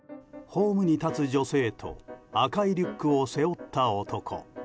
ホームに立つ女性と赤いリュックを背負った男。